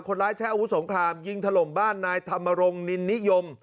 คนร้ายใช้อาวุธสงครามยิงทะลมบ้านนายธรรมรงค์นินยม